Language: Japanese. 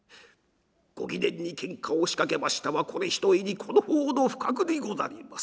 ご貴殿にケンカを仕掛けましたはこれひとえにこの方の不覚にござります。